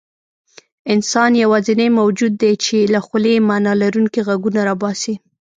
انسان یواځینی موجود دی، چې له خولې معنیلرونکي غږونه راباسي.